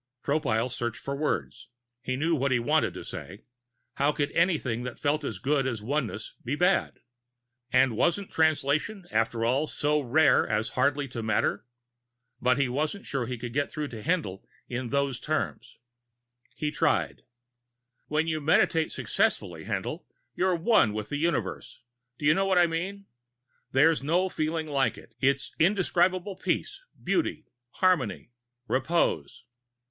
Tropile searched for words. He knew what he wanted to say. How could anything that felt as good as Oneness be bad? And wasn't Translation, after all, so rare as hardly to matter? But he wasn't sure he could get through to Haendl in those terms. He tried: "When you meditate successfully, Haendl, you're one with the Universe. Do you know what I mean? There's no feeling like it. It's indescribable peace, beauty, harmony, repose."